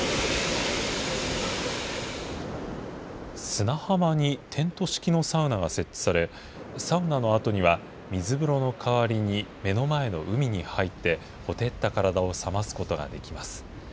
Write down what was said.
砂浜にテント式のサウナが設置され、サウナのあとには、水風呂の代わりに目の前の海に入って、ほてった体を冷ますことができます。